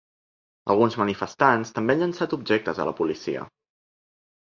Alguns manifestants també han llançat objectes a la policia.